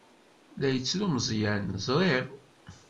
La yettru Meẓyan. Ẓriɣ.